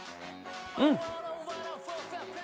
うん！